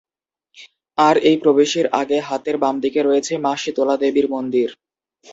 আর এই প্রবেশের আগে হাতের বামদিকে রয়েছে মা শীতলা দেবীর মন্দির।